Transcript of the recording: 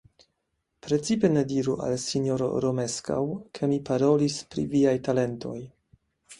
Precipe ne diru al sinjoro Romeskaŭ, ke mi parolis pri viaj talentoj.